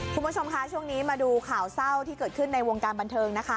คุณผู้ชมคะช่วงนี้มาดูข่าวเศร้าที่เกิดขึ้นในวงการบันเทิงนะคะ